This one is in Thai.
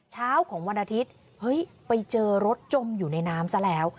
เช้าของวันอาทิตย์เฮ้ยไปเจอรถจมอยู่ในน้ำซะแล้ว